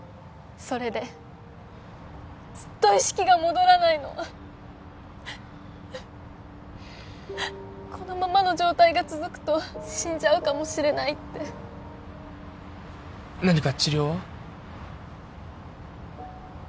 それでずっと意識が戻らないのこのままの状態が続くと死んじゃうかもしれないって何か治療は？